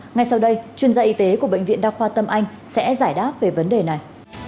ngay sau đây chuyên gia y tế của bệnh viện đa khoa tâm anh sẽ giải đáp về vấn đề này